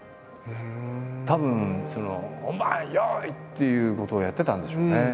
たぶん「本番！用意！」っていうことをやってたんでしょうね。